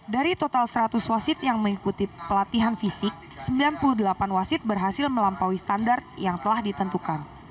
dari total seratus wasit yang mengikuti pelatihan fisik sembilan puluh delapan wasit berhasil melampaui standar yang telah ditentukan